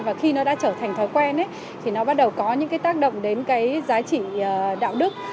và khi nó đã trở thành thói quen thì nó bắt đầu có những cái tác động đến cái giá trị đạo đức